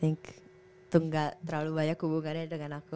itu gak terlalu banyak hubungannya dengan aku